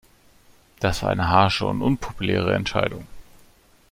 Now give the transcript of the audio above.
Das war eine harsche und unpopuläre Entscheidung.